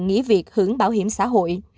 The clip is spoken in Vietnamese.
nghỉ việc hưởng bảo hiểm xã hội